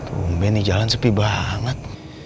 tumben nih jalan sepi banget